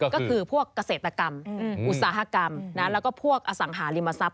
ก็คือพวกเกษตรกรรมอุตสาหกรรมแล้วก็พวกอสังหาริมทรัพย